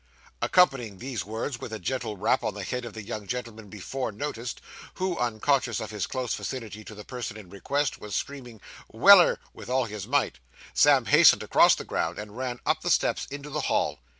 Accompanying these words with a gentle rap on the head of the young gentleman before noticed, who, unconscious of his close vicinity to the person in request, was screaming 'Weller!' with all his might, Sam hastened across the ground, and ran up the steps into the hall.